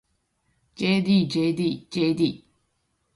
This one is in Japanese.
ｊｄｊｄｊｄ